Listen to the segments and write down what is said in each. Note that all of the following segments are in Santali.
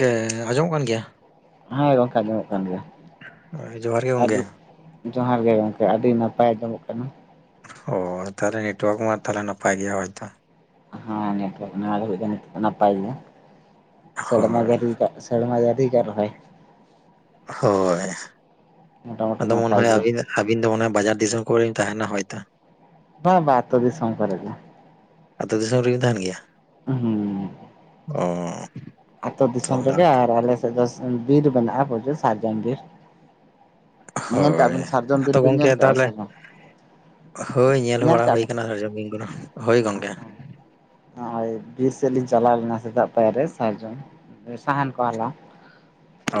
ᱜᱮ ᱟᱸᱡᱚᱢᱚᱜ ᱠᱟᱱ ᱜᱮᱭᱟ᱾ ᱦᱮᱸ ᱜᱚᱝᱠᱮ᱾ ᱟᱡᱚᱢᱚᱜ ᱠᱟᱱ ᱜᱮᱭᱟ᱾ ᱦᱳᱭ ᱡᱚᱦᱟᱨ ᱜᱮ ᱟᱹᱰᱤ ᱜᱚᱢᱠᱮ᱾ ᱡᱚᱦᱟᱨ ᱜᱮ ᱜᱚᱝᱠᱮ ᱟᱹᱰᱤ ᱱᱟᱯᱟᱭ ᱟᱸᱡᱚᱢᱚᱜ ᱠᱟᱱᱟ᱾ ᱚ ᱛᱟᱦᱚᱞᱮ ᱱᱮᱴᱣᱟᱨᱠ ᱢᱟ ᱛᱟᱦᱚᱞᱮ ᱱᱟᱯᱟᱭ ᱜᱮᱭᱟ ᱦᱚᱭᱛᱚ ᱦᱮᱸ ᱱᱮᱴᱣᱟᱨᱠ ᱱᱟᱯᱟᱭ ᱜᱮᱭᱟ᱾ ᱥᱮᱨᱢᱟ ᱦᱳᱭ ᱡᱟᱹᱲᱤ ᱫᱟᱜ ᱥᱮᱨᱢᱟ ᱡᱟᱹᱲᱤ ᱟᱨ ᱨᱚᱦᱚᱭ ᱢᱚᱴᱟᱢᱩᱴᱤ ᱦᱳᱭ᱾ᱟᱫᱚ ᱢᱚᱱ ᱱᱟᱯᱟᱭ ᱦᱩᱭᱩᱜ ᱜᱮ ᱟᱹᱵᱤᱱ ᱟᱹᱵᱤᱱ ᱫᱚ ᱚᱱᱟ ᱵᱟᱡᱟᱨ ᱫᱤᱥᱚᱢ ᱠᱚᱨᱮ ᱛᱟᱦᱮᱱᱟ ᱦᱚᱭᱛᱚ᱾ ᱵᱟ ᱵᱟ ᱟᱹᱛᱩ ᱫᱤᱥᱚᱢ ᱠᱚᱨᱮ ᱜᱮ ᱟᱹᱛᱩ ᱫᱤᱥᱚᱢ ᱨᱮᱜᱮ ᱛᱟᱦᱮᱱ ᱜᱮᱭᱟ ᱩ ᱦᱩᱸ 'ᱚ' ᱟᱹᱛᱳ ᱫᱤᱥᱚᱢ ᱛᱟᱦᱚᱞᱮ ᱨᱮᱜᱮ ᱟᱨ ᱟᱞᱮ ᱥᱮᱫ ᱫᱚ ᱵᱤᱨ ᱢᱮᱱᱟᱜᱼᱟ, ᱯᱨᱚᱪᱩᱨ ᱥᱟᱨᱡᱚᱱ ᱵᱤᱨ ᱧᱮᱞ ᱠᱟᱜ ᱦᱳᱭ ᱵᱤᱱ ᱥᱟᱨᱡᱚᱢ ᱵᱤᱨ ᱟᱫᱚ ᱵᱤᱱ ᱧᱮᱞ ᱜᱚᱢᱠᱮ ᱠᱟᱜᱼᱟ ᱛᱟᱦᱚᱞᱮ ᱥᱮ ᱵᱟᱝ ᱦᱳᱭ ᱧᱮᱞ ᱵᱟᱲᱟ ᱠᱟᱜ ᱦᱩᱭ ᱵᱤᱱ ᱟᱠᱟᱱᱟ 'ᱥᱟᱨᱡᱚᱢ' [inaudible] ᱦᱳᱭ ᱜᱚᱝᱠᱮ ᱱᱚᱜᱼᱚᱭ ᱵᱤᱨ ᱥᱮᱫ ᱞᱤᱧ ᱪᱟᱞᱟᱣ ᱞᱮᱱᱟ ᱥᱮᱛᱟᱜ ᱯᱟᱭᱟᱨ ᱨᱮ ᱥᱟᱨᱡᱚᱢ ᱥᱟᱦᱟᱱ ᱠᱚ ᱦᱟᱞᱟᱼᱼ ᱚᱻ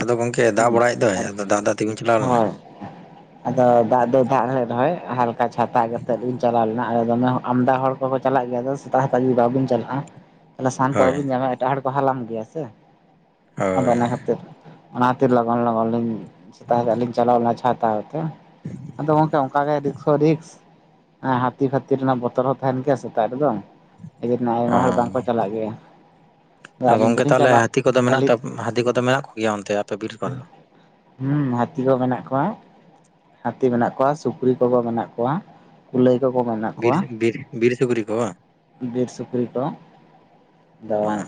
ᱟᱫᱚ ᱜᱚᱢᱠᱮ ᱫᱟᱜ ᱦᱩᱸ ᱵᱟᱲᱟᱭᱮᱫ ᱫᱚᱭ ᱟᱫᱚ ᱫᱟᱜ ᱮᱟᱜ ᱛᱮᱜᱮᱧ ᱪᱟᱞᱟᱣ ᱞᱮᱱᱟ [unintelligible] ᱟᱫᱚ ᱫᱟᱜ ᱫᱚ ᱫᱟᱜ ᱞᱮ ᱨᱮᱦᱚᱸᱚᱭ ᱦᱟᱞᱠᱟ ᱪᱷᱟᱛᱟ ᱠᱟᱛᱮᱜ ᱜᱤᱧ ᱪᱟᱞᱟᱣ ᱞᱮᱱᱟ᱾ ᱫᱚᱢᱮ ᱟᱢᱫᱟ ᱦᱚᱲ ᱵᱟᱠᱚ ᱪᱟᱞᱟᱜ ᱜᱮᱭᱟ ᱟᱫᱚ ᱥᱮᱛᱟᱜᱛ ᱡᱩᱫᱤ ᱵᱟᱵᱚᱱ ᱪᱟᱞᱟᱜᱼᱟ᱾ ᱛᱟᱦᱚᱞᱮ ᱥᱟᱦᱟᱱ ᱠᱚ ᱦᱳᱭ ᱵᱟᱵᱤᱱ ᱧᱟᱢᱟ ᱮᱴᱟᱜ ᱦᱚᱲ ᱠᱚ ᱦᱟᱞᱟᱢ ᱤᱫᱤᱭᱟ ᱥᱮ ᱟᱫᱚ ᱦᱳᱭ ᱚᱱᱟ ᱠᱷᱟᱹᱛᱤᱨ ᱚᱱᱟ ᱠᱷᱟᱹᱛᱤᱨ ᱞᱚᱜᱚᱱ ᱞᱚᱜᱚᱱ ᱞᱤᱧ ᱥᱮᱛᱟᱜ ᱥᱮᱛᱟᱜ ᱞᱤᱧ ᱪᱟᱞᱟᱣ ᱞᱮᱱᱟ ᱪᱷᱟᱛᱟᱣ ᱟᱫᱚ ᱜᱚᱝᱠᱮ ᱚᱱᱠᱟᱜᱮ ᱨᱤᱠᱥᱚ ᱦᱚ ᱨᱤᱠᱥ ᱚᱸ ᱦᱟᱹᱛᱤ ᱯᱷᱟᱹᱛᱤ ᱨᱮᱱᱟᱜ ᱵᱚᱛᱚᱨ ᱦᱚᱸ ᱛᱟᱦᱮᱱ ᱜᱮᱭᱟ ᱥᱮᱛᱟᱜ ᱨᱮᱫᱚ ᱱᱟ ᱠᱷᱟᱛᱤᱨ ᱚ ᱟᱭᱢᱟ ᱦᱚᱲ ᱵᱟᱝᱠᱚ ᱪᱟᱞᱟᱜ ᱜᱮᱭᱟ ᱛᱚ ᱟᱹᱞᱤᱧ ᱫᱚᱞᱤᱧ ᱪᱟᱞᱟᱜ ᱟᱞᱤᱧ ᱦᱟᱺᱫᱤ ᱠᱚᱫᱚ ᱢᱮᱱᱟᱜ ᱠᱚᱜᱮᱭᱟ ᱚᱱᱛᱮ ᱟᱯᱮ ᱵᱤᱨ ᱠᱚᱨᱮ ᱫᱚ ᱦᱩᱸ ᱦᱟᱹᱛᱤ ᱠᱚ ᱢᱮᱱᱟᱜ ᱠᱚᱣᱟ ᱦᱟᱹᱛᱤ ᱢᱮᱱᱟᱜ ᱠᱚᱣᱟ ᱥᱩᱠᱨᱤ ᱠᱚᱠᱚ ᱢᱮᱱᱟᱜ ᱠᱚᱣᱟ᱾ ᱠᱩᱞᱟᱹᱭ ᱠᱚᱠᱚ ᱢᱮᱱᱟᱜ ᱵᱤᱨ ᱠᱚᱣᱟ᱾ ᱵᱤᱨ ᱵᱤᱨ ᱥᱩᱠᱨᱤ ᱠᱚ ᱵᱟᱝ? ᱵᱤᱨ ᱥᱩᱠᱨᱤ ᱠᱚ ᱚ ᱫᱟᱣᱟᱱᱟ᱾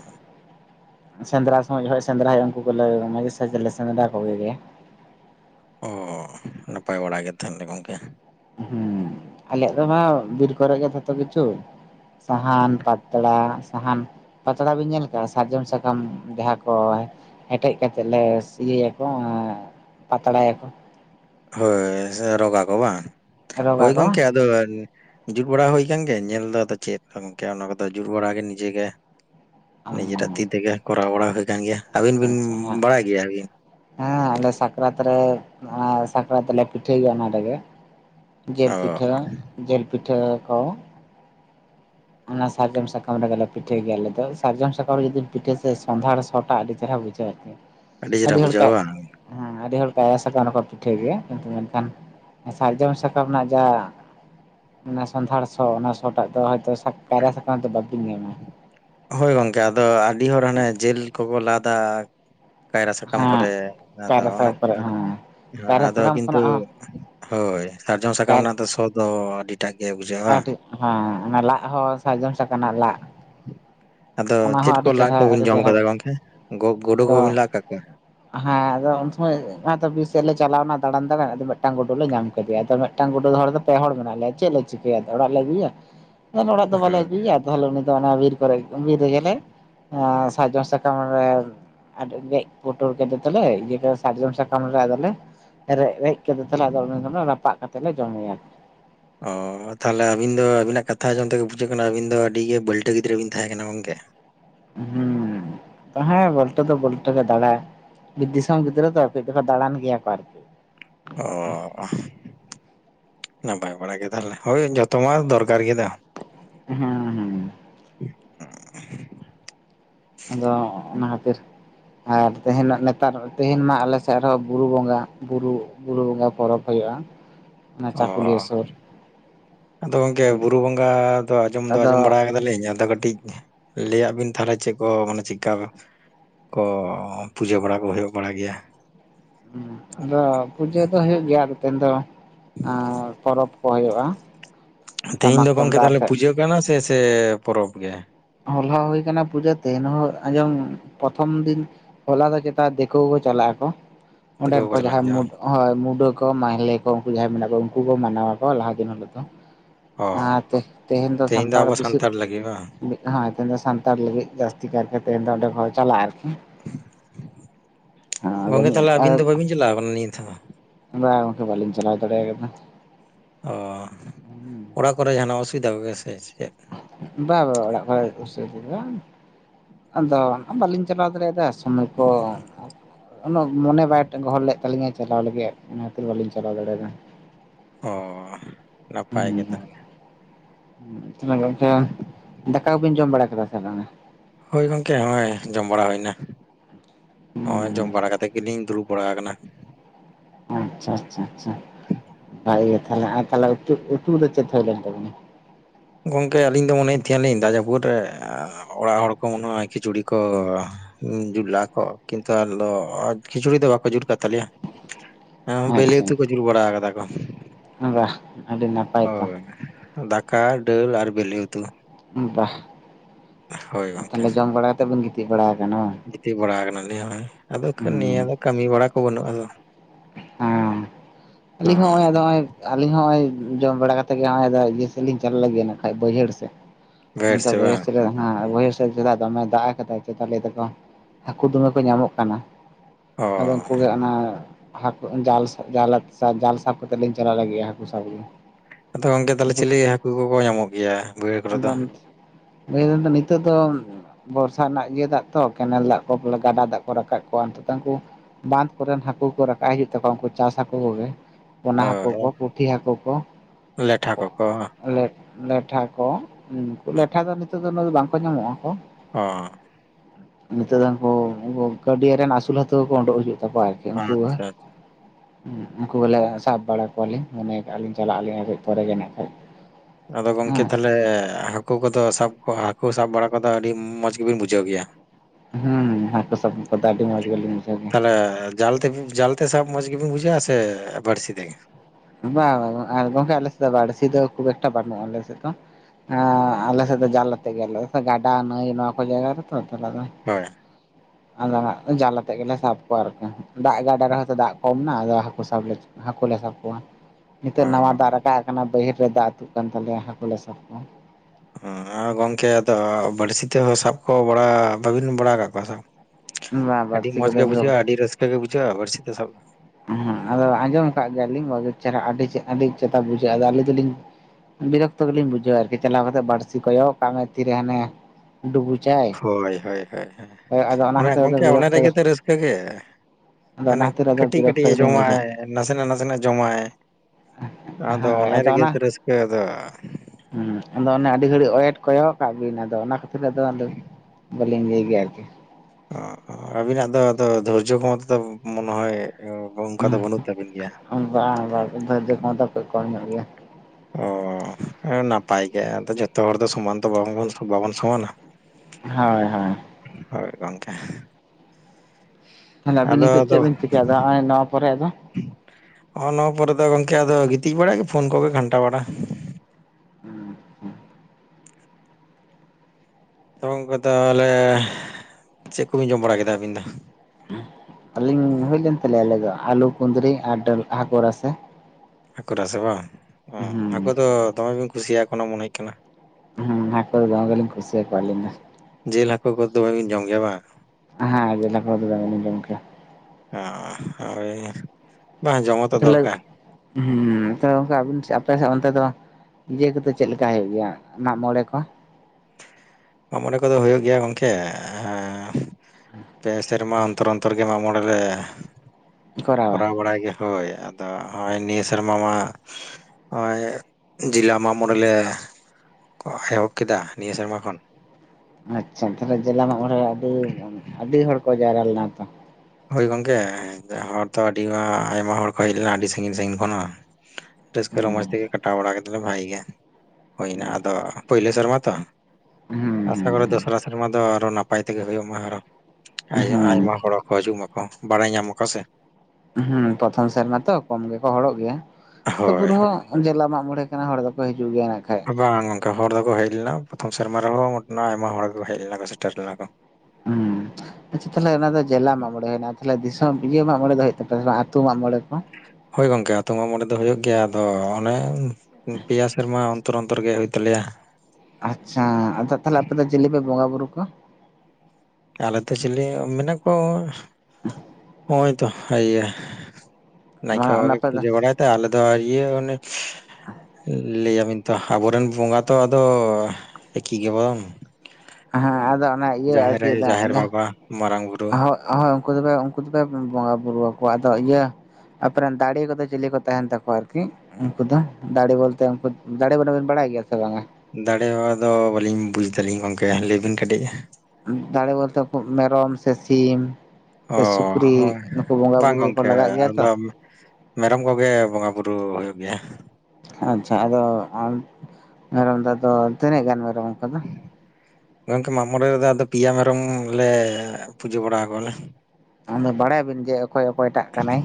ᱥᱮᱸᱫᱽᱨᱟ ᱥᱚᱢᱚᱭ ᱡᱚᱦᱚᱡ ᱥᱮᱸᱫᱽᱨᱟ ᱦᱩᱭᱩᱜᱼᱟ, ᱩᱱᱠᱩ ᱠᱚᱞᱮ ᱢᱟᱡᱷᱮ ᱥᱟᱸᱡᱦᱮ ᱞᱮ ᱥᱮᱸᱫᱽᱨᱟ ᱠᱚᱜᱮ ᱜᱮᱭᱟ᱾ ᱚ ᱱᱟᱯᱟᱭ ᱵᱟᱲᱟ ᱜᱮ ᱛᱟᱦᱚᱞᱮ ᱜᱚᱝᱠᱮ ᱦᱮᱸ ᱟᱞᱮᱭᱟᱜ ᱫᱚ ᱢᱟ ᱵᱤᱨ ᱠᱚᱨᱮ ᱜᱮ ᱡᱷᱚᱛᱚ ᱠᱤᱪᱷᱩ ᱥᱟᱦᱟᱱ ᱯᱟᱛᱲᱟ ᱥᱟᱦᱟᱱ ᱯᱟᱛᱲᱟ ᱵᱤᱱ ᱧᱮᱞ ᱠᱟᱜᱼᱟ ᱥᱟᱨᱡᱚᱢ ᱥᱟᱠᱟᱢ ᱡᱟᱦᱟᱸ ᱠᱚ ᱦᱮᱴᱮᱡ ᱠᱟᱛᱮᱫ ᱞᱮ ᱥᱤᱭᱟᱹᱭᱟ ᱠᱚ, ᱯᱟᱛᱲᱟᱭᱟ ᱠᱚ, ᱦᱳᱭ ᱨᱚᱜᱟ ᱠᱚ ᱵᱟᱝ ᱦᱳᱭ ᱨᱚᱜᱟᱠᱚ ᱜᱚᱢᱠᱮ ᱟᱫᱚ᱾ ᱡᱩᱛ ᱵᱟᱲᱟ ᱦᱳᱭ ᱠᱟᱱ ᱜᱮ ᱧᱮᱞ ᱫᱚ ᱟᱫᱚ ᱪᱮᱫ ᱜᱚᱝᱠᱮ ᱚᱱᱟ ᱠᱚᱫᱚ ᱡᱩᱛ ᱵᱟᱲᱟᱜ ᱜᱮ ᱱᱤᱡᱮ ᱜᱮ ᱱᱤᱡᱮᱨᱟᱜ ᱛᱤ ᱛᱮᱜᱮ ᱠᱚᱨᱟᱣ ᱵᱟᱲᱟ ᱦᱩᱭ ᱟᱠᱟᱱ ᱜᱮᱭᱟ ᱟᱹᱵᱤᱱ ᱟᱪᱪᱷᱟ ᱵᱤᱱ ᱟᱪᱪᱷᱟ ᱦᱮᱸ ᱵᱟᱲᱟᱭ ᱜᱮᱭᱟ ᱜᱤ ᱦᱮᱸ ᱟᱞᱮ ᱥᱟᱠᱨᱟᱛ ᱨᱮ ᱥᱟᱠᱨᱟᱛ ᱨᱮᱞᱮ ᱯᱤᱴᱷᱟᱹᱭᱟ ᱚᱱᱟ ᱨᱮᱜᱮ ᱡᱤᱞ ᱚ ᱯᱤᱴᱷᱟᱹ ᱡᱤᱞ ᱯᱤᱴᱷᱟᱹ ᱠᱚ ᱚᱱᱟ ᱥᱟᱨᱡᱚᱢ ᱥᱟᱠᱟᱢ ᱨᱮᱜᱮᱞᱮ ᱯᱤᱴᱷᱟᱹᱭ ᱜᱮᱭᱟ ᱟᱞᱮ ᱫᱚ ᱥᱟᱨᱡᱚᱢ ᱥᱟᱠᱟᱢ ᱨᱮ ᱡᱩᱫᱤᱢ ᱯᱤᱴᱷᱟᱹᱭᱟ ᱥᱮ ᱥᱚᱸᱷᱟᱲ ᱥᱚᱴᱟᱜ ᱟᱹᱰᱤ ᱪᱮᱦᱨᱟ ᱵᱩᱡᱷᱟᱹᱜᱼᱟ᱾ ᱪᱮᱦᱨᱟ ᱟᱹᱰᱤ ᱦᱚᱲᱠᱟ ᱵᱩᱡᱷᱟᱹᱜᱼᱟ ᱵᱟᱝ ᱦᱮᱸ ᱟᱹᱰᱤ ᱦᱚᱲ ᱠᱟᱭᱟ ᱟᱥᱠᱟᱢ ᱨᱮᱡᱚ ᱯᱤᱴᱷᱟᱹ ᱜᱮᱭᱟ ᱠᱤᱱᱛᱩ ᱢᱮᱱᱠᱷᱟᱱ ᱥᱟᱨᱡᱚᱢ ᱥᱟᱠᱟᱢ ᱨᱮᱱᱟᱜ ᱡᱟᱦᱸᱟ ᱥᱚᱸᱫᱷᱟᱲ ᱥᱚ ᱚᱱᱟ ᱥᱚ ᱴᱟᱜ ᱫᱚ ᱦᱚᱭᱛᱚ ᱠᱟᱭᱨᱟ ᱥᱟᱠᱟᱢ ᱨᱮᱫᱚ ᱵᱟᱠᱤᱱ ᱧᱟᱢᱟ ᱦᱳᱭ ᱜᱚᱢᱠᱮ ᱟᱫᱚ ᱟᱹᱰᱤ ᱦᱚᱲ ᱦᱟᱱᱮ ᱡᱤᱞ ᱠᱚᱠᱚ ᱞᱟᱫᱟ᱾ ᱠᱟᱭᱨᱟ ᱥᱟᱠᱟᱢ ᱠᱚᱨᱮ ᱦᱮᱸ ᱟᱫᱚ ᱠᱟᱭᱨᱟ ᱚᱱᱮ ᱥᱟᱠᱟᱢ ᱠᱚᱨᱮ ᱦᱮᱸ ᱠᱟᱭᱨᱟ ᱟᱫᱚ ᱥᱟᱠᱟᱢ ᱠᱤᱱᱛᱩ ᱠᱷᱚᱱᱟᱜ ᱦᱚᱸ ᱦᱳᱭ ᱥᱟᱨᱡᱚᱢ ᱥᱟᱠᱟᱢ ᱠᱟᱭ ᱨᱮᱱᱟᱜ ᱫᱚ ᱥᱚ ᱫᱚ ᱟᱹᱰᱤ ᱴᱟᱜ ᱜᱮ ᱵᱩᱡᱷᱟᱹᱜᱼᱟ ᱟᱹᱰᱤ ᱦᱮᱸ ᱚᱱᱟ ᱞᱟᱟᱜ ᱦᱚᱸ ᱥᱟᱨᱡᱚᱢ ᱥᱟᱠᱟᱢ ᱱᱟᱜ ᱞᱟᱜ ᱟᱫᱚ ᱚᱱᱟ ᱦᱚᱸ ᱪᱮᱫ ᱠᱚ ᱟᱹᱰᱤ ᱞᱟᱫ ᱪᱮᱦᱨᱟ ᱠᱚᱵᱤᱱ ᱟᱹᱰᱤ ᱡᱚᱢ ᱪᱮᱦᱨᱟ ᱠᱟᱫᱟ ᱜᱚᱝᱠᱮ ᱜᱩᱰᱩ ᱟᱫᱚ ᱠᱚᱵᱮᱱ ᱞᱟᱜ ᱠᱟᱜ ᱠᱚᱣᱟ? ᱦᱮᱸ ᱟᱫᱚ ᱩᱱ ᱥᱚᱢᱚᱭ ᱡᱟᱦᱟᱸ ᱵᱤᱨ ᱥᱮᱫ ᱞᱮ ᱪᱟᱞᱟᱣ ᱱᱟ ᱫᱟᱬᱟᱱ ᱫᱟᱬᱟᱱ ᱟᱫᱚ ᱢᱤᱫᱴᱟᱝ ᱜᱩᱰᱩ ᱞᱮ ᱧᱟᱢ ᱠᱮᱫᱮᱭᱟ ᱟᱫᱚ ᱢᱤᱫᱴᱟᱝ ᱜᱩᱰᱩ ᱦᱚᱲᱚᱨ ᱫᱚ ᱯᱮ ᱦᱚᱲ ᱢᱮᱱᱟᱜ ᱞᱮᱭᱟ ᱪᱮᱫᱞᱮ ᱪᱤᱠᱟᱹᱭᱟ ᱚᱲᱟᱜ ᱞᱮ ᱟᱹᱜᱩᱭᱟ ᱚᱲᱟᱜ ᱫᱚ ᱵᱟᱞᱮ ᱦᱳᱭ ᱟᱹᱜᱩᱭᱟ ᱛᱟᱦᱚᱞᱮ ᱩᱱᱤ ᱫᱚ ᱚᱱᱟ ᱵᱤᱨ ᱠᱚᱨᱮ ᱵᱤᱨ ᱨᱮᱜᱮᱞᱮ ᱥᱟᱨᱡᱚᱢ ᱥᱟᱠᱟᱢ ᱨᱮ ᱟᱨ ᱜᱮᱜ ᱯᱩᱴᱩᱨ ᱠᱮᱫᱮ ᱛᱮᱞᱮ ᱥᱟᱨᱡᱚᱢ ᱥᱟᱠᱟᱢ ᱨᱮ ᱟᱫᱚᱞᱮ ᱨᱮᱜ ᱨᱮᱡ ᱠᱮᱫ ᱛᱚᱞᱮ ᱟᱫᱚ ᱫᱚᱮ ᱨᱟᱯᱟᱜ ᱠᱟᱛᱮ ᱞᱮ ᱡᱚᱢᱮᱭᱟ᱾ ᱚ ᱛᱟᱦᱚᱞᱮ ᱟᱹᱵᱤᱱ ᱫᱚ ᱟᱹᱵᱤᱱᱟᱜ ᱠᱟᱛᱷᱟ ᱟᱡᱚᱢ ᱛᱮᱜᱮ ᱵᱩᱡᱷᱟ. ᱠᱟᱱᱟ ᱟᱵᱤᱱ ᱫᱚ ᱟᱹᱰᱤ ᱜᱮ ᱵᱟᱹᱞᱴᱟᱹ ᱜᱤᱫᱽᱨᱟᱹ ᱵᱤᱱ ᱛᱟᱦᱮᱸ ᱠᱟᱱᱟᱱᱟ ᱜᱚᱝᱠᱮ᱾ ᱦᱩᱸ ᱦᱮᱸ ᱵᱟᱹᱞᱴᱟᱹ ᱫᱚ ᱵᱟᱹᱞᱴᱟᱹ ᱜᱮ ᱫᱟᱬᱟ ᱵᱤᱨ ᱫᱤᱥᱚᱢ ᱜᱤᱫᱽᱨᱟᱹ ᱫᱚ ᱠᱟᱹᱡ ᱫᱚᱠᱚ ᱫᱟᱬᱟᱱ ᱜᱮᱭᱟ ᱠᱚ ᱟᱨᱠᱤ ᱚ ᱱᱟᱯᱟᱭ ᱵᱟᱲᱟ ᱜᱮ ᱛᱟᱦᱚᱞᱮ ᱦᱳᱭ ᱡᱷᱚᱛᱚ ᱢᱟᱜ ᱫᱚᱨᱠᱟᱨ ᱜᱮ ᱫᱚ ᱦᱩᱸ ᱦᱩᱸ ᱟᱫᱚ ᱚᱱᱟ ᱠᱷᱟᱹᱛᱤᱨ ᱟᱨ ᱛᱮᱦᱮᱧ ᱱᱮᱛᱟᱨ ᱛᱮᱦᱮᱧ ᱢᱟ ᱟᱞᱮᱥᱮᱫ ᱨᱮᱦᱚᱸ ᱵᱩᱨᱩ ᱵᱚᱸᱜᱟ ᱵᱩᱨᱩ ᱵᱩᱨᱩ ᱵᱚᱸᱜᱟ ᱯᱚᱨᱚᱵᱽ ᱦᱩᱭᱩᱜᱼᱟ᱾ ᱚᱱᱟ ᱪᱟᱠᱩᱞᱤᱭᱟᱹ ᱚ ᱥᱩᱨ ᱟᱫᱚ ᱜᱚᱝᱠᱮ ᱵᱩᱨᱩ ᱵᱚᱸᱜᱟ ᱫᱚ ᱟᱸᱡᱚᱢ ᱫᱚ ᱟᱸᱡᱚᱢ ᱟᱫᱚ ᱵᱟᱲᱟ ᱠᱟᱫᱟᱞᱤᱧ ᱟᱫᱚ ᱠᱟᱹᱴᱤᱡ ᱞᱟᱹᱭᱟᱜ ᱵᱤᱱ ᱛᱟᱦᱚᱞᱮ ᱪᱮᱫ ᱠᱚ ᱢᱟᱱᱮ ᱪᱮᱫᱠᱟ ᱚ ᱯᱩᱡᱟᱹ ᱵᱟᱲᱟ ᱠᱚ ᱦᱩᱭᱩᱜ ᱵᱟᱲᱟ ᱜᱮᱭᱟ ᱦᱩᱸ ᱟᱫᱚ ᱯᱩᱡᱟᱹ ᱫᱚ ᱦᱩᱭᱩᱜ ᱜᱮᱭᱟ ᱚᱛᱮᱱ ᱫᱚ ᱯᱚᱨᱚᱵᱽ ᱠᱚ ᱦᱩᱭᱩᱜᱼᱟ᱾ ᱛᱮᱦᱮᱧ ᱫᱚ ᱴᱟᱢᱟᱠ ᱜᱚᱢᱠᱮ ᱛᱩᱢᱫᱟᱜ ᱛᱟᱦᱚᱞᱮ ᱟᱛᱮᱫ ᱯᱩᱡᱟᱹ ᱠᱟᱱᱟ ᱥᱮ ᱥᱮ ᱯᱚᱨᱚᱵᱽ ᱜᱮ? ᱦᱚᱞᱟ ᱦᱩᱭ ᱠᱟᱱᱟ ᱯᱩᱡᱟᱹ ᱛᱮᱦᱮᱧ ᱦᱚᱸ ᱟᱸᱡᱚᱢ ᱯᱨᱚᱛᱷᱚᱢ ᱫᱤᱱ ᱦᱚᱞᱟ ᱫᱚ ᱪᱮᱛᱟ ᱫᱤᱠᱩ ᱠᱚ ᱪᱟᱞᱟᱜ ᱟᱠᱚ ᱚᱸᱰᱮᱱ ᱫᱤᱠᱩ ᱠᱚ ᱠᱚᱠᱚ ᱪᱟᱞᱟᱜ ᱡᱟᱦᱟᱸᱭ ᱜᱮᱭᱟ ᱢᱩᱰ ᱵᱟᱝ ᱦᱳᱭ ᱢᱩᱰᱟᱹ ᱠᱚ ᱢᱟᱦᱮᱞᱮ ᱠᱚ ᱩᱱᱠᱩ ᱡᱟᱦᱟᱸᱭ ᱢᱮᱱᱟᱜ ᱠᱚᱣᱟ ᱩᱱᱠᱩ ᱠᱚ ᱢᱟᱱᱟᱣᱟ ᱠᱚ ᱞᱟᱦᱟ ᱫᱤᱱ ᱦᱤᱞᱳᱜ ᱫᱚ ᱚ ᱟᱨ ᱛᱮᱦᱮᱧ ᱛᱮᱦᱮᱧ ᱫᱚ ᱥᱟᱱᱛᱟᱲ ᱵᱤᱥᱤ [inaudible] ᱜᱮᱵᱟᱝ [unintelligible] ᱢᱤᱫᱫᱷᱟᱣ ᱟᱛᱮᱱ ᱫᱚ ᱥᱟᱱᱛᱟᱲ ᱞᱟᱹᱜᱤᱫ ᱡᱟᱹᱥᱛᱤ ᱵᱟᱨᱮ ᱛᱮ ᱛᱮᱦᱮᱧ ᱫᱚ ᱚᱸᱰᱮ ᱠᱚ ᱪᱟᱞᱟᱜᱼᱟ ᱟᱨᱠᱤ ᱦᱮᱸ ᱜᱚᱝᱠᱮ ᱛᱟᱦᱚᱞᱮ ᱢᱤᱫᱫᱷᱟᱣ ᱟᱹᱵᱤᱱ ᱫᱚ [unintelligible] ᱵᱟᱹᱵᱤᱱ ᱪᱟᱞᱟᱣ ᱠᱟᱱᱟ ᱱᱤᱛ ᱦᱚᱸ ᱵᱟᱝ ᱜᱚᱝᱠᱮ ᱵᱟᱞᱤᱧ ᱪᱟᱞᱟᱣ ᱫᱟᱲᱮ ᱠᱟᱫᱟ ᱚ ᱚᱲᱟᱜ ᱠᱚᱨᱮ ᱡᱟᱸᱦᱟᱱᱟᱜ ᱚᱥᱩᱵᱤᱫᱟ ᱠᱚᱜᱮ ᱥᱮ ᱪᱮᱫ ᱵᱟ ᱵᱟ ᱚᱲᱟᱜ ᱠᱚᱨᱮ ᱚᱥᱤᱵᱤᱫᱷᱟ ᱟᱫᱚ ᱵᱟᱹᱞᱤᱧ ᱪᱟᱞᱟᱣ ᱫᱟᱲᱮᱭᱟᱫᱟ ᱥᱚᱢᱚᱭ ᱠᱚ ᱩᱱᱟᱹᱜ ᱢᱚᱱᱮ ᱵᱟᱭ ᱜᱚᱦᱚᱲ ᱞᱮᱫ ᱛᱟᱹᱟᱞᱤ ᱟ [inaudible] ᱪᱟᱞᱟᱣ ᱞᱟᱹᱜᱤᱫ ᱚᱱᱟ ᱠᱷᱟᱹᱛᱤᱨ ᱵᱟᱹᱞᱤᱧ ᱪᱟᱞᱟᱣ ᱫᱟᱲᱮᱭᱟᱫᱟ ᱚᱻ ᱱᱟᱯᱟᱭ ᱜᱮ ᱛᱟᱦᱚᱞᱮ ᱜᱚᱝᱠᱮ ᱫᱟᱠᱟ ᱠᱚᱵᱤᱱ ᱡᱚᱢ ᱵᱟᱲᱟ ᱠᱮᱫᱟ ᱥᱮ ᱵᱟᱝᱟ ᱦᱳᱭ ᱜᱚᱝᱠᱮ ᱦᱚᱸᱜᱼᱚᱭ ᱡᱚᱢ ᱵᱟᱲᱟ ᱦᱩᱭ ᱱᱟ ᱦᱚᱸᱜᱼᱚᱭ ᱡᱚᱢ ᱵᱟᱲᱟ ᱠᱟᱛᱮ ᱜᱮᱞᱤᱧ ᱫᱩᱲᱩᱵ ᱵᱟᱲᱟ ᱠᱟᱱᱟ ᱟᱪᱪᱷᱟ ᱟᱪᱪᱷᱟ ᱟᱪᱪᱷᱟ ᱵᱷᱟᱜᱮ ᱜᱮ ᱛᱟᱦᱚᱞᱮ ᱟᱨ ᱛᱟᱦᱚᱞᱮ ᱩᱛᱩ ᱩᱛᱩ ᱨᱮ ᱪᱮᱫ ᱦᱩᱭ ᱞᱮᱱ ᱛᱟᱵᱤᱱᱟ ᱜᱚᱝᱠᱮ ᱟᱹᱞᱤᱧ ᱫᱚ ᱢᱚᱱᱮᱭᱮᱫ ᱛᱷᱮ ᱟᱞᱤᱧ ᱡᱟᱹᱯᱩᱫ ᱨᱮ ᱚᱲᱟᱜ ᱦᱚᱲ ᱠᱚ ᱢᱚᱱᱮ ᱦᱚᱭ ᱠᱷᱤᱪᱩᱲᱤ ᱠᱚ ᱡᱩᱛ ᱞᱟᱜᱼᱟᱠᱚ ᱠᱤᱱᱛᱩ ᱟᱞᱚ ᱠᱷᱤᱪᱩᱲᱤ ᱫᱚ ᱵᱟᱠᱚ ᱡᱩᱛ ᱠᱟᱜ ᱛᱟᱞᱮᱭᱟ ᱦᱮᱸ ᱵᱮᱞᱮ ᱩᱛᱩ ᱠᱚ ᱡᱩᱞ ᱵᱟᱲᱟ ᱠᱟᱫᱟ ᱠᱚ ᱵᱟᱦ ᱟᱹᱰᱤ ᱱᱟᱯᱟᱭ ᱛᱚ ᱠᱟ ᱰᱳᱞ ᱟᱨ ᱵᱮᱞᱮ ᱩᱛ ᱵᱟᱦ ᱦᱳᱭ ᱜᱚᱝᱠᱮ ᱛᱟᱦᱚᱞᱮ ᱡᱚᱢ ᱵᱟᱲᱟ ᱠᱟᱛᱮ ᱵᱤᱱ ᱜᱤᱛᱤᱡ ᱵᱟᱲᱟ ᱠᱟᱱᱟ ᱵᱟᱝ ᱜᱤᱛᱤᱡ ᱵᱟᱲᱟ ᱠᱟᱱᱟ ᱞᱤᱧ ᱦᱳᱭ ᱟᱫᱚ ᱱᱤᱭᱟᱹ ᱦᱩᱸ ᱫᱚ ᱠᱟᱹᱢᱤ ᱵᱟᱲᱟ ᱠᱚ ᱵᱟᱹᱱᱩᱜ ᱟᱫᱚ ᱦᱮᱸ ᱟᱹᱞᱤᱧ ᱦᱚᱸ ᱦᱚᱸᱜᱼᱚᱭ ᱟᱫᱚ ᱦᱚᱸᱜᱼᱚᱭ ᱟᱹᱞᱤᱧ ᱦᱚᱸ ᱦᱚᱸᱜᱼᱚᱭ ᱡᱚᱢ ᱵᱟᱲᱟ ᱠᱟᱛᱮ ᱜᱮ ᱱᱚᱜᱚᱭ ᱤᱭᱟᱹ ᱥᱮᱫ ᱞᱤᱧ ᱪᱟᱞᱟᱜ ᱞᱟᱹᱜᱤᱫᱭᱟ ᱱᱟᱠᱷᱟᱡ ᱵᱟᱹᱭᱦᱟᱹᱲ ᱥᱮ᱾ ᱵᱟᱹᱭᱦᱟᱹᱲ ᱥᱮᱫ ᱫᱟᱲᱟᱱ ᱟᱻ ᱵᱟᱹᱭᱦᱟᱸᱲ ᱪᱮᱛᱟ ᱫᱚᱢᱮ ᱫᱟᱜ ᱠᱟᱫᱟᱭ ᱞᱟᱹᱭ ᱫᱟᱠᱚ ᱦᱟᱹᱠᱩ ᱫᱚᱢᱮ ᱠᱚ ᱧᱟᱢᱚᱜ ᱠᱟᱱᱟ᱾ ᱚ ᱟᱫᱚ ᱩᱱᱠᱩ ᱜᱮ ᱚᱱᱟ᱾ ᱦᱟᱹᱠᱩ ᱡᱟᱞᱥ ᱡᱟᱞ ᱡᱟᱞ ᱥᱟᱵ ᱠᱟᱛᱮᱜ ᱞᱤᱧ ᱪᱟᱞᱟᱜ ᱞᱟᱹᱜᱤᱫᱼᱟ ᱦᱟᱹᱠᱩ ᱥᱟᱵ ᱜᱮ ᱟᱫᱚ ᱜᱚᱝᱠᱮ ᱛᱟᱦᱚᱞᱮ ᱪᱮᱞᱮ ᱦᱟᱹᱠᱩ ᱠᱚᱠᱚ ᱧᱟᱢᱚᱜ ᱜᱮᱭᱟ ᱵᱟᱹᱭᱦᱟᱹᱲ ᱠᱚᱨᱮ ᱫᱚ [unintelligible] ᱵᱟᱭ ᱨᱮᱱ ᱫᱚ ᱱᱤᱛᱚᱜ ᱫᱚ ᱵᱚᱨᱥᱟ ᱨᱮᱱᱟᱜ ᱤᱭᱟᱹ ᱫᱟᱜ ᱛᱚ ᱠᱮᱱᱮᱞ ᱫᱟᱜ ᱠᱚ ᱵᱚᱞᱮ ᱜᱟᱰᱟ ᱫᱟᱜ ᱠᱚ ᱨᱟᱠᱟᱵ ᱠᱚᱣᱟ ᱱᱤᱛᱚᱜ ᱫᱚ ᱩᱱᱠᱩ ᱵᱟᱸᱫᱷ ᱠᱚᱨᱮᱱ ᱦᱟᱹᱠᱩ ᱠᱚ ᱨᱟᱠᱟᱵ ᱦᱤᱡᱩᱜ ᱛᱟᱠᱚᱣᱟ ᱩᱱᱠᱩ ᱪᱟᱥ ᱦᱟᱹᱠᱩ ᱠᱚᱜᱮ ᱯᱚᱱᱟ ᱦᱟᱹᱠᱩ ᱦᱳᱭ ᱠᱚ ᱯᱩᱴᱷᱤ ᱦᱟᱹᱠᱩ ᱠᱚ ᱞᱮᱴᱷᱟ ᱠᱚᱠᱚ ᱞᱮᱴ ᱞᱮᱴᱷᱟ ᱠᱚ ᱞᱮᱴᱷᱟ ᱫᱚ ᱱᱤᱛᱚᱜ ᱫᱚ ᱵᱟᱝ ᱠᱚ ᱧᱟᱢᱚᱜ ᱟᱠᱚ ᱦᱚᱸ ᱱᱤᱛᱚᱜ ᱫᱚ [unintelligible] ᱩᱱᱠᱩ ᱜᱟᱹᱰᱤᱭᱟᱹ ᱨᱮᱱ ᱟᱹᱥᱩᱞ ᱦᱟᱹᱠᱩ ᱠᱚ ᱩᱰᱩᱜ ᱦᱤᱡᱩᱜ ᱛᱟᱠᱚᱣᱟ ᱟᱨᱠᱤ ᱟᱪᱪᱷᱟ ᱩᱱᱠᱩ ᱟᱪᱪᱷᱟ ᱩᱱᱠᱩ ᱜᱮᱞᱮ ᱥᱟᱵ ᱵᱟᱲᱟ ᱠᱚᱣᱟᱞᱤᱧ ᱢᱚᱱᱮ ᱠᱟᱜᱼᱟ ᱞᱤᱧ ᱪᱟᱞᱟᱜ ᱟᱹᱞᱤᱧ ᱟᱨ ᱯᱚᱨᱮ ᱜᱮ ᱱᱟᱜ ᱠᱷᱟᱡ ᱟᱫᱚ ᱜᱚᱝᱠᱮ ᱦᱮᱸ ᱛᱟᱦᱚᱞᱮ ᱦᱟᱠ ᱦᱟᱹᱠᱩ ᱠᱚᱫᱚ ᱥᱟᱵ ᱠᱚᱜ ᱟ ᱦᱟᱹᱠᱩ ᱥᱟᱵ ᱵᱟᱲᱟ ᱠᱚᱫᱚ ᱟᱹᱰᱤ ᱢᱚᱸᱡᱽ ᱜᱮᱵᱤᱱ ᱵᱩᱡᱷᱟᱹᱣ ᱜᱮᱭᱟᱹ᱾ ᱦᱩᱸ ᱦᱟᱹᱠᱩ ᱥᱟᱵ [unintelligible] ᱞᱤᱧ ᱵᱩᱡᱷᱟᱹᱣ ᱜᱮᱭᱟ‌ [unintelligible] ᱡᱟᱞ ᱛᱳᱜᱳ ᱡᱟᱞ ᱛᱮ ᱵᱤᱱ ᱡᱟᱞᱛᱮ ᱥᱟᱵ ᱢᱚᱸᱡᱽ ᱜᱮᱵᱤᱱ ᱥᱮ ᱵᱟᱹᱲᱥᱤ ᱛᱮᱜᱮ ᱵᱟᱝ ᱵᱟᱝ ᱜᱚᱝᱠᱮ ᱟᱞᱮ ᱥᱮᱫ ᱫᱚ ᱵᱟᱹᱲᱥᱤ ᱫᱚ ᱠᱷᱩᱵ ᱮᱠᱴᱟ ᱵᱟᱹᱱᱩᱜᱼᱟ ᱟᱞᱮ ᱥᱮᱫ ᱫᱚ ᱟᱸ ᱟᱞᱮ ᱡᱟᱞ ᱟᱛᱮ ᱜᱮᱞᱮ ᱜᱟᱰᱟ ᱱᱟᱹᱭ ᱱᱚᱣᱟ ᱠᱚ ᱡᱟᱭᱜᱟ ᱨᱮ ᱛᱚ ᱛᱟᱦᱚᱞᱮ ᱟᱫᱚ ᱦᱳᱭ ᱟᱞᱮ ᱦᱟᱸᱜ ᱡᱟᱞ ᱟᱛᱮ ᱜᱮᱞᱮ ᱥᱟᱵ ᱠᱚᱣᱟ ᱟᱨᱠᱤ ᱫᱟᱜ ᱜᱟᱰᱟ ᱨᱮ ᱦᱚᱭᱛᱚ ᱫᱟᱜ ᱠᱚᱢ ᱱᱟ ᱟᱫᱚ ᱦᱟᱹᱠᱩ ᱥᱟᱵ ᱞᱮ ᱦᱟᱹᱠᱩ ᱞᱮ ᱥᱟᱵ ᱠᱚᱣᱟ ᱚ ᱱᱤᱛᱚᱜ ᱱᱟᱣᱟ ᱫᱟᱜ ᱨᱟᱠᱟᱵ ᱟᱠᱟᱱᱟ ᱵᱟᱹᱭᱦᱟᱹᱲ ᱨᱮ ᱫᱟᱜ ᱟᱛᱩᱜ ᱠᱟᱱ ᱛᱟᱞᱮᱭᱟ ᱦᱟᱹᱠᱩ ᱞᱮ ᱥᱟᱵ ᱠᱚᱣᱟ ᱟ ᱜᱚᱢᱠᱮ ᱟᱫᱚ ᱵᱟᱹᱲᱥᱤ ᱛᱮᱦᱚᱸ ᱥᱟᱵ ᱠᱚ ᱵᱟᱲᱟ ᱵᱟᱹᱵᱤᱱ ᱵᱟᱲᱟ ᱠᱟᱜ ᱠᱚᱣᱟ ᱵᱟ ᱟᱹᱰᱤ ᱵᱟᱹᱲᱥᱤ ᱢᱚᱸᱡᱽ ᱠᱚᱫᱚ ᱜᱮ ᱩᱱᱠᱩ ᱵᱩᱡᱷᱟᱹᱜᱼᱟ ᱟᱹᱰᱤ ᱨᱟᱹᱥᱠᱟᱹ ᱜᱮ ᱵᱩᱡᱷᱟᱹᱜᱼᱟ ᱵᱟ. ᱲᱥᱤ ᱛᱮ ᱥᱟᱵ ᱫᱚ ᱦᱩᱸ ᱟᱫᱚ ᱟᱸᱡᱚᱢ ᱠᱟᱜ ᱜᱮᱭᱟᱞᱤᱧ ᱵᱟᱹᱜᱮ ᱪᱮᱦᱨᱟ ᱟᱹᱰᱤ ᱟᱹᱰᱤ ᱪᱮᱛᱟ ᱵᱩᱡᱷᱟᱹᱜᱼᱟ ᱟᱫᱚ ᱟᱹᱞᱤᱧ ᱫᱚᱞᱤᱧ ᱵᱤᱨᱚᱠᱛᱚ ᱜᱮᱞᱤᱧ ᱵᱩᱡᱷᱟᱹᱣᱟ ᱟᱨᱠᱤ ᱪᱟᱞᱟᱣ ᱠᱟᱛᱮᱫ ᱵᱟᱹᱲᱥᱤ ᱠᱚᱭᱚᱜ ᱠᱟᱜ ᱢᱮ ᱛᱤᱨᱮ ᱦᱟᱱᱮ ᱰᱩᱵᱩᱪᱟᱭ ᱦᱳᱭ ᱦᱳᱭ ᱦᱳᱭ ᱦᱳᱭ ᱟᱫᱚ ᱚᱱᱟ ᱚᱱᱮ ᱠᱷᱟᱹᱛᱤᱨ ᱟᱫᱚ ᱜᱚᱝᱠᱮ ᱚᱱᱟ ᱵᱤᱨᱚᱠᱛᱚ ᱨᱮᱜᱮ ᱛᱚ ᱨᱟᱹᱥᱠᱟᱹ ᱜᱮ ᱟᱫᱚ ᱦᱟᱱᱮ ᱚᱱᱟ ᱠᱷᱟ. ᱛᱤᱨ ᱟᱫᱚ ᱠᱟᱹᱴᱤᱡ ᱵᱤᱨᱚ ᱠᱟᱹᱴᱤᱡ ᱮ ᱡᱚᱢᱟᱜ ᱟᱭ ᱱᱟᱥᱮᱱᱟᱜ ᱱᱟᱥᱮᱱᱟᱜ ᱡᱚᱢᱟᱭ ᱟᱫᱚ ᱚᱱᱟ ᱨᱮᱜᱮ ᱛᱚ ᱨᱟᱹᱥᱠᱟᱹ ᱫᱚ ᱦᱮᱸ ᱟᱫᱚ ᱚᱱᱮ ᱟᱹᱰᱤ ᱜᱷᱟᱹᱲᱤᱡ ᱚᱭᱮᱴ ᱠᱚᱭᱚᱜ ᱠᱟᱜ ᱵᱤᱱ ᱟᱫᱚ ᱚᱱᱟ ᱠᱷᱟᱹᱛᱤᱨ ᱟᱫᱚ ᱟᱞᱤᱧ ᱞᱤᱧ ᱞᱟᱹᱭ ᱜᱮ ᱟᱨᱠᱤ ᱟᱵᱤᱱᱟᱜ ᱫᱚ ᱟᱫᱚ ᱫᱷᱳᱨᱡᱚ ᱠᱷᱚᱢᱚᱛᱟ ᱫᱚ ᱢᱚᱱᱮ ᱦᱚᱭ ᱚᱱᱠᱟ ᱫᱚ ᱵᱟᱹᱱᱩᱜ ᱛᱟᱹᱵᱤᱱ ᱜᱮᱭᱟ [unintelligible] ᱫᱷᱚᱨᱡᱚ ᱠᱷᱚᱢᱚᱛᱟ ᱠᱷᱩᱵ ᱠᱚᱢ ᱧᱚᱜ ᱜᱮᱭᱟ ᱚ ᱱᱟᱯᱟᱭ ᱜᱮ ᱟᱫᱚ ᱡᱚᱛᱚ ᱦᱚᱲ ᱫᱚ ᱥᱚᱢᱟᱱ ᱫᱚ ᱵᱟᱵᱚᱱ ᱵᱟᱵᱚᱱ ᱥᱚᱢᱟᱱᱟ ᱦᱳᱭ ᱦᱳᱭ ᱦᱳᱭ ᱜᱚᱢᱠᱮ ᱛᱟᱦᱚᱞᱮ ᱟᱵᱤᱱ ᱱᱤᱛᱚᱜ ᱪᱮᱫ ᱵᱤᱱ ᱪᱤᱠᱟᱹᱭᱫᱟ ᱚᱜᱼᱚᱭ ᱱᱚᱣᱟ ᱯᱚᱨᱮ ᱫᱚ ᱦᱚᱜ ᱚ ᱱᱚᱣᱟ ᱯᱚᱨᱮ ᱫᱚ ᱜᱚᱝᱠᱮ ᱟᱫᱚ ᱜᱤᱛᱤᱡ ᱵᱟᱲᱟᱜᱟᱹᱧ ᱯᱷᱳᱱ ᱠᱚᱜᱮ ᱜᱷᱟᱱᱴᱟ ᱵᱟᱲᱟ [inaudible] ᱛᱚ ᱜᱚᱝᱠᱮ ᱛᱟᱦᱚᱞᱮ ᱪᱮᱫ ᱠᱚᱵᱤᱱ ᱡᱚᱢ ᱵᱟᱲᱟ ᱠᱮᱫᱟ ᱟᱹᱵᱤᱱ ᱫᱚ ᱟᱹᱞᱤᱧ ᱦᱩᱭ ᱞᱮᱱ ᱛᱟᱞᱮᱭᱟ ᱟᱞᱮ ᱫᱚ ᱟᱞᱩ ᱠᱩᱫᱽᱨᱤ ᱟᱨ ᱰᱟᱹᱞ ᱦᱟᱠᱩ ᱨᱟᱥᱮ ᱦᱟᱹᱠᱩ ᱨᱟᱥᱮ ᱵᱟᱝ ᱚ ᱦᱟᱹᱠᱩ ᱦᱩᱸ ᱫᱚ ᱫᱚᱢᱮ ᱵᱤᱱ ᱠᱩᱥᱤᱭᱟ ᱠᱚ ᱠᱟᱱᱟ ᱢᱚᱱᱮ ᱦᱳᱭᱳᱜ ᱠᱟᱱᱟ ᱦᱟᱠᱳ ᱫᱚᱢᱮ ᱜᱮᱞᱤᱧ ᱠᱩᱥᱤᱭᱟᱠᱚᱣᱟ ᱟᱹᱞᱤᱧ ᱫᱚ ᱡᱮᱹᱞ ᱦᱟᱹᱠᱩ ᱠᱚᱫᱚ ᱵᱟᱵᱤᱱ ᱡᱚᱢ ᱜᱮᱭᱟ ᱵᱟᱝ [unintelligible] ᱚ ᱦᱳᱭ ᱵᱟᱝ ᱡᱚᱢᱟ ᱛᱚ ᱛᱟᱦᱚᱞᱮ ᱫᱚᱨᱠᱟᱨ ᱦᱩᱸ ᱛᱚ ᱜᱚᱝᱠᱮ ᱟᱵᱤᱱ ᱥᱮ ᱟᱯᱮᱥᱮᱜ ᱚᱱᱛᱮ ᱫᱚ ᱤᱭᱟᱹ ᱠᱚᱫᱚ ᱪᱮᱫ ᱞᱮᱠᱟ ᱦᱩᱭᱩᱜ ᱜᱮᱭᱟ ᱢᱟᱜ ᱢᱚᱬᱮ ᱠᱚ ᱢᱟᱜᱢᱚᱬᱮ ᱠᱚᱫᱚ ᱦᱩᱭᱩᱜ ᱜᱮᱭᱟ ᱜᱚᱝᱠᱮ ᱯᱮ ᱥᱮᱨᱢᱟ ᱚᱱᱛᱚᱨ ᱚᱱᱛᱚᱨ ᱜᱮ ᱢᱟᱜ ᱢᱚᱬᱮ ᱞᱮ ᱠᱚᱨᱟᱣᱟ? ᱠᱚᱨᱟᱣ ᱵᱟᱲᱟᱭ ᱜᱮᱭᱟ ᱦᱳᱭ ᱟᱫᱚ ᱦᱚᱸᱜᱼᱚᱭ ᱱᱤᱭᱟᱹ ᱥᱮᱨᱢᱟ ᱢᱟ ᱱᱚᱜᱚᱭ ᱡᱤᱞᱟ ᱢᱟᱜ ᱢᱚᱲᱮᱞᱮ ᱠᱚ ᱮᱦᱚᱵ ᱠᱮᱫᱟ ᱱᱤᱭᱟᱹ ᱥᱮᱨᱢᱟ ᱠᱷᱚᱱ ᱟᱪᱪᱷᱟ ᱛᱟᱦᱚᱞᱮ ᱡᱮᱞᱟ ᱢᱟᱜ ᱢᱚᱬᱮ ᱟᱹᱰᱤ ᱟᱹᱰᱤ ᱦᱚᱲ ᱠᱚ ᱡᱟᱣᱨᱟᱞᱮᱱᱟ ᱛᱚ ᱦᱳᱭ ᱜᱚᱝᱠᱮ ᱦᱚᱲ ᱛᱚ ᱟᱹᱰᱤ ᱟᱭᱢᱟ ᱦᱚᱲ ᱠᱚ ᱦᱮᱡ ᱞᱮᱱᱟ ᱟᱹᱰᱤ ᱥᱟᱹᱜᱤᱧ ᱥᱟᱹᱜᱤᱧ ᱠᱷᱚᱱᱟᱜ ᱨᱟᱹᱥᱠᱟᱹ ᱨᱚᱢᱚᱡᱽ ᱦᱩᱸ ᱛᱮᱜᱮ ᱠᱟᱴᱟᱣ ᱵᱟᱲᱟ ᱠᱮᱫᱟᱞᱮ ᱵᱷᱟᱜᱤ ᱜᱮ ᱦᱩᱭᱱᱟ ᱟᱫᱚ ᱯᱳᱭᱞᱳ ᱥᱮᱨᱢᱟ ᱛᱚ ᱦᱩᱸ ᱟᱥᱟ ᱦᱩᱸ ᱠᱚᱨ ᱫᱚᱥᱨᱟ ᱥᱮᱨᱢᱟ ᱫᱚ ᱟᱨᱚ ᱱᱟᱯᱟᱭ ᱛᱮᱜᱮ ᱦᱩᱭᱩᱜ ᱢᱟ ᱟᱨᱚ ᱦᱩᱸ ᱟᱭᱢᱟ ᱦᱚᱲ ᱦᱳᱭ ᱡᱚᱢ ᱢᱟᱠᱚ ᱵᱟᱲᱟᱭ ᱧᱟᱢᱠᱚ ᱥᱮ ᱦᱮᱸ ᱯᱨᱚᱛᱷᱚᱢ ᱥᱮᱨ ᱢᱟ ᱛᱚ ᱠᱚᱢ ᱜᱮᱠᱚ ᱦᱚᱲᱚᱜ ᱜᱮᱭᱟ ᱛᱚᱵᱩ ᱦᱳᱭ ᱨᱮᱦᱚᱸ ᱢᱟᱜ ᱢᱚᱬᱮᱜ ᱠᱟᱱᱟ ᱦᱚᱲ ᱫᱚᱠᱚ ᱦᱤᱡᱩᱜ ᱜᱮᱭᱟ ᱱᱟᱜ ᱠᱷᱟᱡ ᱵᱟᱝ ᱜᱚᱝᱠᱮ ᱦᱚᱲ ᱫᱚᱠᱚ ᱦᱮᱡ ᱞᱮᱱᱟ ᱯᱨᱚᱛᱷᱚᱢ ᱥᱮᱨᱢᱟ ᱨᱮᱦᱚ ᱟᱭᱢᱟ ᱦᱚᱲ ᱠᱚ ᱦᱮᱡ ᱞᱮᱱᱟ ᱠᱚ ᱥᱮᱴᱮᱨ ᱞᱮᱱᱟ ᱠᱚ ᱦᱩᱸ ᱟᱪᱪᱷᱟ ᱛᱟᱦᱚᱞᱮ ᱚᱱᱟ ᱫᱚ ᱡᱮᱞᱟ ᱢᱟᱜ ᱢᱚᱬᱮ ᱦᱳᱭᱱᱟ ᱛᱟᱦᱚᱞᱮ ᱫᱤᱥᱚᱢ ᱤᱭᱟᱹ ᱢᱟᱜ ᱢᱚᱬᱮ ᱫᱚ ᱦᱩᱭᱩᱜ ᱛᱟᱯᱮ ᱵᱟᱝ ᱟᱹᱛᱩ ᱢᱟᱜ ᱢᱚᱬᱮ ᱠᱚ ᱦᱳᱭ ᱜᱚᱝᱠᱮ ᱟ. ᱛᱩ ᱢᱟᱜ ᱢᱚᱬᱮ ᱫᱚ ᱦᱩᱭᱩᱜ ᱜᱮᱭᱟ ᱟᱫᱚ ᱚᱱᱮ ᱯᱮᱭᱟ ᱥᱮᱨᱢᱟ ᱚᱱᱛᱚᱨ ᱚᱱᱛᱚᱨ ᱜᱮ ᱦᱩᱭ ᱛᱟᱞᱮᱭᱟ ᱟᱪᱪᱷᱟ ᱟᱫᱚ ᱛᱟᱦᱚᱞᱮ ᱟᱯᱮ ᱫᱚ ᱪᱤᱞᱤᱯᱮ ᱵᱚᱸᱜᱟ ᱵᱩᱨᱩ ᱠᱚᱣᱟ ᱟᱞᱮ ᱫᱚ ᱪᱤᱞᱤ ᱢᱮᱱᱟᱜ ᱠᱚᱣᱟ, ᱱᱚᱜᱼᱚᱭ ᱛᱚ ᱤᱭᱟᱹ ᱱᱟᱭᱠᱤ ᱵᱟᱵᱟ ᱚᱱᱟ ᱜᱮ ᱟᱯᱮ ᱫᱚ ᱠᱷᱩᱡᱟᱹ ᱵᱟᱲᱟᱭ ᱛᱮ ᱟᱞᱮ ᱫᱚ ᱤᱭᱟᱹᱻ ᱞᱟᱹᱭᱟᱵᱤᱱ ᱛᱚ ᱟᱵᱚᱨᱮᱱ ᱵᱚᱸᱜᱟ ᱛᱚ ᱟᱫᱚ ᱮᱠᱤ ᱜᱮᱵᱚᱱ ᱦᱮᱸ ᱟᱫᱚ ᱚᱱᱟ ᱤᱭᱟᱹ ᱡᱟᱦᱮᱨ ᱟᱨᱠᱤ ᱟᱭᱳ ᱡᱟᱦᱮᱨ ᱵᱟᱵᱟ ᱢᱟᱨᱟᱝ ᱵᱩᱨᱩ [unintelligible] ᱦᱳᱭ ᱦᱳᱭ ᱩᱝᱠᱩ ᱫᱚᱯᱮ, ᱩᱝᱠᱩ ᱫᱚᱯᱮ ᱵᱚᱸᱜᱟᱼ ᱵᱩᱨᱩ ᱟᱠᱚᱣᱟ ᱟᱫᱚ ᱤᱭᱟᱹ ᱛᱯᱚᱨᱮ ᱫᱟᱲᱮ ᱠᱚᱫᱚ ᱪᱤᱞᱤ ᱠᱚ ᱛᱟᱦᱮᱱ ᱛᱟᱠᱚᱣᱟ ᱟᱨᱠᱤ ᱩᱝᱠᱩ ᱫᱚ ᱫᱟᱲᱮ ᱵᱚᱞᱛᱮ ᱩᱱᱠᱩ ᱫᱟᱲᱮ ᱵᱚᱞᱮ ᱵᱮᱱ ᱵᱟᱲᱟᱭ ᱜᱮᱭᱟ ᱥᱮ ᱵᱟᱝᱟ ᱫᱟᱲᱮ ᱵᱟᱲᱟ ᱫᱚ ᱵᱟᱹᱞᱤᱧ ᱵᱩᱡ ᱫᱟᱞᱤᱧ ᱜᱚᱢᱠᱮ ᱞᱟᱹᱭᱵᱤᱱ ᱠᱟᱹᱴᱤᱡ ᱫᱟᱲᱮ ᱵᱚᱞᱛᱮ ᱢᱮᱨᱚᱢ ᱥᱮ ᱥᱤᱢ ᱥᱮ ᱚᱻᱦᱳᱭ ᱥᱩᱠᱨᱤ ᱱᱩᱠᱩ ᱵᱚᱸᱜᱟ ᱵᱟᱝ ᱵᱩᱨᱩ ᱨᱮᱠᱚ ᱜᱚᱢᱠᱮ ᱞᱟᱜᱟᱜ ᱜᱮᱭᱟ ᱛᱚ ᱟᱫᱚ ᱢᱮᱨᱚᱢ ᱠᱚᱜᱮ ᱵᱚᱸᱜᱟ ᱵᱩᱨᱩ ᱦᱩᱭᱩᱜ ᱜᱮᱭᱟ ᱟᱪᱪᱷᱟ ᱟᱫᱚ ᱢᱮᱨᱚᱢ ᱫᱚ ᱟᱫᱚ ᱛᱤᱱᱟᱹᱜ ᱜᱟᱱ ᱢᱮᱨᱚᱢ ᱩᱝᱠᱩ ᱫᱚ ᱜᱚᱝᱠᱮ ᱢᱟᱜ ᱢᱚᱬᱮ ᱨᱮᱫᱚ ᱟᱫᱚ ᱯᱮᱭᱟ ᱢᱮᱨᱚᱢ ᱞᱮ ᱯᱩᱡᱟᱹ ᱵᱟᱲᱟᱣᱟᱠᱚᱣᱟᱞᱮ ᱟᱫᱚ ᱵᱟᱲᱟᱭᱟ ᱵᱤᱱ ᱡᱮ, ᱚᱠᱚᱭ ᱚᱠᱚᱭᱴᱟᱜ ᱠᱟᱱᱟᱭ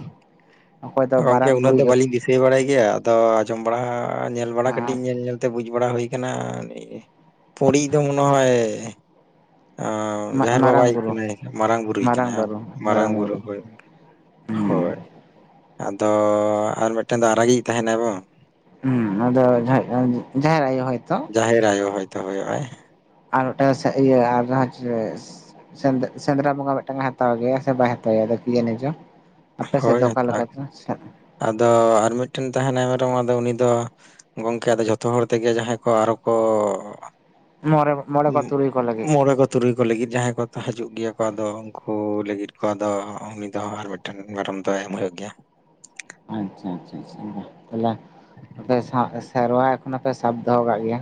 ᱚᱠᱚᱭ ᱫᱚ ᱢᱟᱨᱟᱝ ᱵᱩᱨᱩᱭ ᱦᱩᱭ ᱵᱟᱲᱟᱭ ᱜᱮᱭᱟ ᱟᱫᱚ ᱟᱸᱡᱚᱢ ᱵᱟᱲᱟ ᱧᱮᱞ ᱵᱟᱲᱟ ᱠᱟᱹᱴᱤᱡ ᱧᱮᱞ ᱧᱮᱞ ᱛᱮ ᱵᱩᱡᱽ ᱵᱟᱲᱟ ᱦᱩᱭ ᱟᱠᱟᱱᱟ, ᱯᱚᱲᱤᱡ ᱫᱚ ᱢᱚᱱᱮ ᱦᱚᱭ ᱡᱟᱦᱮᱨ ᱢᱟᱨᱟᱝ ᱵᱟᱵᱟᱭ ᱵᱩᱨᱩ ᱠᱟᱱᱟᱭ ᱢᱟᱨᱟᱝ ᱵᱩᱨᱩᱭ ᱠᱟᱱᱟᱭ ᱢᱟᱨᱟᱝ ᱵᱩᱨᱩ ᱦᱳᱭ ᱦᱩᱸ ᱦᱳᱭ ᱟᱫᱚ ᱟᱨ ᱢᱤᱫ ᱴᱮᱱ ᱫᱚ ᱟᱨᱟᱜᱮ ᱛᱟᱦᱮᱱᱟᱭ ᱵᱟᱝ ᱦᱩᱸ ᱱᱚᱶᱟ ᱫᱚ ᱡᱟᱦᱮᱨ ᱟᱭᱚ ᱦᱚᱭ ᱛᱚ ᱡᱟᱦᱮᱨ ᱟᱭᱚ ᱦᱚᱭᱛᱚ ᱦᱚᱭᱚᱜ ᱟᱭ ᱟᱨ ᱢᱤᱫᱴᱟᱜ ᱤᱭᱟᱹ ᱟᱨ ᱡᱟᱦᱟᱸ ᱪᱮᱫ ᱥᱮᱸᱫᱽ ᱥᱮᱸᱫᱽᱨᱟ ᱵᱚᱸᱜᱟ, ᱢᱤᱫᱴᱟᱝ ᱮ ᱦᱟᱛᱟᱣ ᱜᱮᱭᱟ ᱥᱮ ᱵᱟᱭ ᱦᱟᱛᱟᱣᱮᱭᱟ ᱨᱟᱹᱠᱤᱭᱟᱱᱮᱡᱚ ᱦᱳᱭ, ᱟᱛ ᱟᱫᱚ ᱟᱨ ᱢᱤᱫ ᱴᱮᱱ ᱛᱟᱦᱮᱱᱟᱭ ᱢᱮᱨᱚᱢ ᱟᱫᱚ ᱩᱱᱤ ᱫᱚ ᱜᱚᱝᱠᱮ ᱟᱫᱚ ᱡᱚᱛᱚ ᱦᱚᱲ ᱛᱮᱜᱮ ᱡᱟᱦᱟᱸᱭ ᱠᱚ ᱟᱨᱚ ᱠᱚ ᱢᱟᱨᱮᱣᱟᱜ ᱚ ᱢᱚᱱᱮ ᱠᱚ ᱛᱩᱨᱩᱭ ᱠᱚ ᱞᱟᱹᱜᱤᱫ ᱡᱟᱦᱟᱸᱭ ᱠᱚ ᱦᱤᱡᱩᱜ ᱜᱮᱭᱟ ᱠᱚ ᱟᱫᱚ ᱩᱱᱠᱩ ᱞᱟᱹᱜᱤᱫ ᱠᱚ ᱟᱫᱚ ᱩᱱᱤ ᱫᱚ ᱟᱨ ᱢᱤᱫ ᱴᱟᱝ ᱢᱤᱫᱴᱮᱱ ᱢᱮᱨᱚᱢ ᱫᱚᱭ ᱮᱢ ᱦᱩᱭᱩᱜ ᱜᱮᱭᱟ᱾ ᱟᱪᱷᱟ ᱟᱪᱷᱟ ᱟᱪᱷᱟ ᱦᱚᱞᱟ ᱟᱯᱮ ᱥᱟᱶᱛᱮ ᱥᱮᱨᱣᱟ ᱮᱠᱷᱱᱚ ᱯᱮ ᱥᱟᱵ ᱫᱚᱦᱚᱣᱠᱟᱜ ᱜᱤᱭᱟ᱾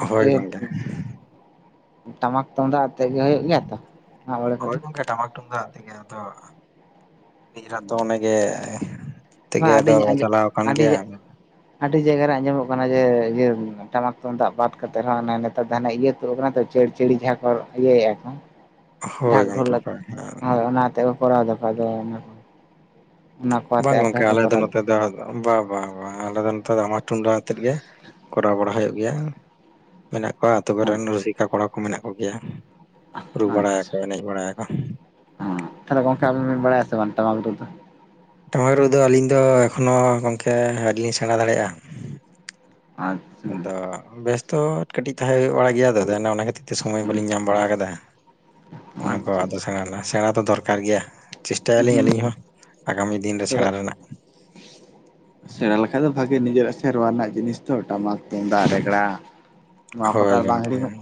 ᱦᱳᱭ ᱜᱚᱝᱠᱮ ᱴᱟᱢᱟᱠ ᱛᱩᱢᱫᱟᱜ ᱪᱮᱫ ᱤᱭᱟᱹ ᱦᱩᱭᱩᱜ ᱜᱮᱭᱟ ᱛᱚ ᱟᱣᱲᱟ ᱦᱳᱭ ᱯᱟᱛᱟᱢ ᱜᱚᱝᱠᱮ ᱴᱟᱢᱟᱠ ᱛᱩᱢᱫᱟᱜ ᱤᱧᱟᱜ ᱫᱚ ᱱᱤᱡᱮᱨᱟᱛᱚᱱᱜᱮ ᱴᱷᱤᱠ ᱵᱟᱝ ᱜᱤᱭᱟ ᱟᱫᱚ ᱟᱹᱰᱤᱧ ᱟᱸᱡᱚᱢ ᱪᱟᱞᱟᱣ ᱟᱠᱟᱱ ᱟᱹᱰᱤ ᱜᱮᱭᱟ ᱟᱹᱰᱤ ᱡᱟᱭᱜᱟ ᱨᱮ ᱟᱸᱡᱚᱢᱚᱜ ᱠᱟᱱᱟ ᱡᱮ ᱤᱭᱟᱹ ᱴᱟᱢᱟᱠ ᱛᱩᱫᱟᱜ ᱵᱟᱫᱽ ᱠᱟᱛᱮᱜ ᱨᱮᱦᱚᱸ ᱟᱫᱷᱟᱱᱟᱜ ᱤᱭᱟᱹ ᱯᱨᱚᱜᱨᱟᱢ ᱨᱮ ᱪᱟᱹᱲ ᱪᱟᱹᱲᱤ ᱢᱟᱦᱟᱸ ᱠᱚ ᱤᱭᱟᱹᱭᱟ ᱱᱟᱦᱟᱜ ᱰᱷᱟᱠ ᱦᱳᱭ ᱰᱷᱚᱞ ᱜᱚᱝᱠᱮ ᱞᱟᱜ ᱦᱳᱭ ᱦᱳᱭ ᱚᱱᱟᱛᱮ ᱠᱚ ᱠᱚᱨᱟᱣ ᱮᱟᱠᱚ ᱟᱫᱚ ᱚᱱᱟ ᱠᱚ ᱟᱛᱮ ᱵᱟᱝ ᱟᱯᱮ ᱜᱚᱝᱠᱮ ᱦᱚᱸᱯᱮ ᱟᱞᱮ ᱫᱚ ᱠᱚᱨᱟᱣ ᱫᱟ ᱱᱚᱛᱮ ᱫᱚ ᱵᱟ ᱵᱟ ᱵᱟᱝ ᱟᱞᱮ ᱫᱚ ᱱᱮᱛᱟᱨ ᱫᱚ ᱴᱟᱢᱟᱠ ᱛᱩᱢᱫᱟ ᱟᱛᱮᱜ ᱜᱮ ᱠᱚᱨᱟᱣ ᱵᱟᱲᱟ ᱦᱩᱭᱩᱜ ᱜᱮᱭᱟ ᱢᱮᱱᱟᱜ ᱠᱚᱣᱟ ᱟᱹᱛᱩ. ᱠᱚᱨᱮᱱ ᱨᱩᱥᱤᱠᱟ ᱠᱚᱲᱟ ᱠᱚ ᱢᱮᱱᱟᱜ ᱠᱚᱜᱮᱭᱟ ᱨᱩ ᱟᱪᱪᱷᱟ ᱵᱟᱲᱟᱭᱟᱠᱚ ᱮᱱᱮᱡ ᱵᱟᱲᱟᱭᱟᱠᱚ ᱛᱟᱦᱞᱮ ᱜᱚᱝᱠᱮ ᱟᱵᱮᱱ ᱵᱮᱱ ᱵᱟᱲᱟᱭᱟ ᱥᱮ ᱵᱟᱝ ᱴᱟᱢᱟᱠ ᱨᱩ ᱫᱚ? ᱴᱟᱢᱟᱠ ᱨᱩᱫᱚ ᱟᱹᱞᱤᱧ ᱫᱚ ᱮᱠᱷᱚᱱᱳ ᱜᱚᱢᱠᱮ ᱟᱹᱣᱨᱤ ᱞᱤᱧ ᱥᱮᱬᱟ ᱫᱟᱲᱮᱭᱟᱜᱼᱟ ᱟᱪᱪᱷᱟ ᱟᱪᱪᱷᱟ ᱟᱫᱚ ᱵᱮᱥᱛᱚ ᱠᱟᱹᱴᱤᱡ ᱛᱟᱦᱮᱸ ᱦᱩᱭᱩᱜ-ᱟ ᱤᱭᱟᱹ ᱫᱚ ᱫᱮ ᱚᱱᱟ ᱠᱷᱟᱹᱛᱤᱨ ᱪᱮᱫ ᱥᱚᱢᱚᱭ ᱵᱟᱟᱹᱞᱤᱧ ᱧᱟᱢ ᱵᱟᱲᱟ ᱟᱠᱟᱫᱟ, ᱚᱱᱟ ᱠᱚ ᱟᱪᱪᱷᱟ ᱟᱫᱚ ᱥᱮ ᱥᱮᱬᱟ ᱫᱚ ᱫᱚᱨᱠᱟᱨ ᱫᱚᱨᱠᱟᱨ ᱜᱮᱭᱟ ᱪᱮᱥᱴᱟᱭᱟᱞᱤᱧ ᱦᱩᱸ ᱟᱹᱞᱤᱧ ᱦᱚᱸ, ᱟᱜᱟᱢᱤ ᱫᱤᱱ ᱨᱮ ᱥᱮᱲᱟ ᱥᱮᱬᱟ ᱨᱮᱱᱟᱜ ᱥᱮᱬᱟ ᱞᱮᱠᱷᱟᱡ ᱫᱚ ᱵᱷᱟᱜᱮ, ᱱᱤᱡᱮᱨᱟᱜ ᱥᱮᱨᱣᱟ ᱨᱮᱱᱟᱜ ᱡᱤᱱᱤᱥ ᱫᱚ ᱴᱟᱢᱟᱠ ᱛᱩᱢᱫᱟᱜ ᱨᱮᱜᱲᱟ ᱱᱚᱣᱟ ᱠᱚᱫᱚ ᱦᱳᱭ ᱵᱟᱝ ᱜᱚᱝᱠᱮ ᱦᱤᱲᱤᱧᱚᱜ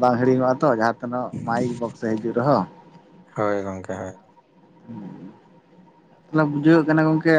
ᱵᱟᱝ ᱦᱤᱲᱤᱧᱚᱜᱼᱟ ᱛᱚ ᱡᱟᱦᱟᱸ ᱛᱤᱱᱟᱹᱜ ᱢᱟᱭᱤᱠ ᱵᱚᱠᱥ ᱮ ᱦᱤᱡᱩᱜ ᱨᱮᱦᱚᱸ ᱦᱚᱭ ᱜᱚᱝᱠᱮ ᱦᱚᱭ ᱞᱟᱹᱢᱡᱟᱹᱠ ᱠᱟᱱᱟ ᱜᱚᱢᱠᱮ